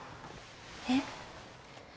えっ？